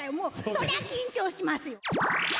そりゃ緊張しますよ。